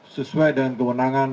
sesuai dengan kewenangan